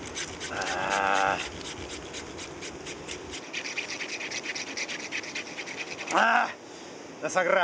なあさくら。